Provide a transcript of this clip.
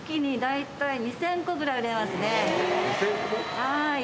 はい。